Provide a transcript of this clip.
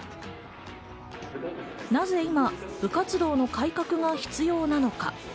なぜ今、部活動の改革が必要なのか。